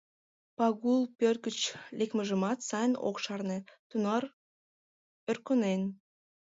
Пагул пӧрт гыч лекмыжымат сайын ок шарне, тунар ӧрткынен.